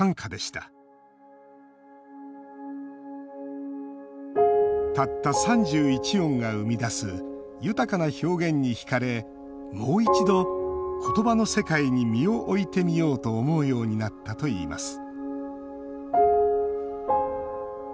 たった３１音が生み出す豊かな表現に引かれもう一度、言葉の世界に身を置いてみようと思うようになったといいます